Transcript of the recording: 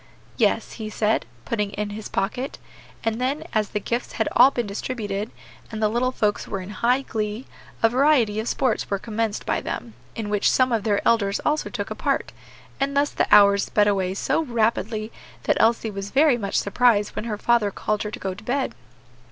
"Yes," he said, putting it in his pocket; and then, as the gifts had all been distributed, and the little folks were in high glee, a variety of sports were commenced by them, in which some of their elders also took a part; and thus the hours sped away so rapidly that Elsie was very much surprised when her father called her to go to bed.